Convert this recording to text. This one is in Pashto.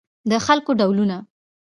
د خلکو ډولونه